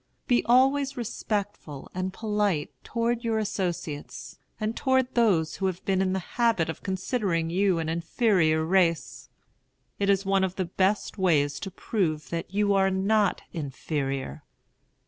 Be always respectful and polite toward your associates, and toward those who have been in the habit of considering you an inferior race. It is one of the best ways to prove that you are not inferior.